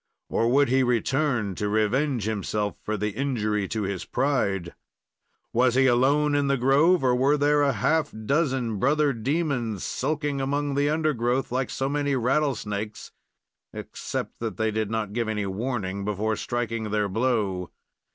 or would he return to revenge himself for the injury to his pride? Was he alone in the grove, or were there a half dozen brother demons sulking among the undergrowth, like so many rattlesnakes, except that they did not give any warning before striking their blow?